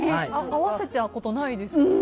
合わせたことないですよね。